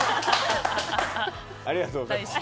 ありがとうございます。